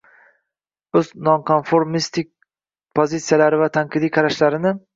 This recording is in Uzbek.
o‘z nonkonformistik pozitsiyalari va tanqidiy qarashlarini